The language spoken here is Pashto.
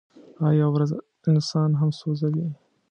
هغه یوه ورځ انسان هم سوځوي.